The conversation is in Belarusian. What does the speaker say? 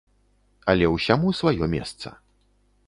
Але ўсяму сваё месца.